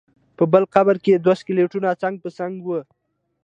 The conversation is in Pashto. په بل قبر کې دوه سکلیټونه څنګ په څنګ ول.